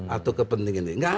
atau kepentingan sendiri